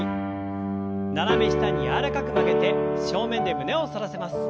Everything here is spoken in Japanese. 斜め下に柔らかく曲げて正面で胸を反らせます。